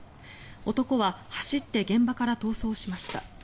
男は走って現場から逃走しました。